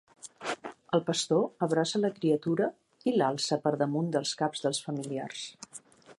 El pastor abraça la criatura i l'alça per damunt dels caps dels familiars.